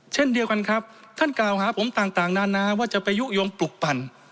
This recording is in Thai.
เช่นเดียวกันครับท่านกล่าวหาผมต่างนานาว่าจะไปยุโยงปลุกปั่น